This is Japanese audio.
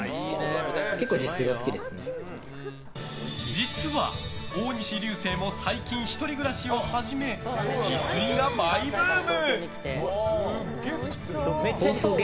実は、大西流星も最近１人暮らしを始め自炊がマイブーム！